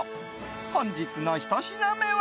本日のひと品目は。